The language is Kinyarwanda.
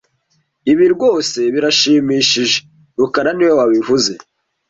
Ibi rwose birashimishije rukara niwe wabivuze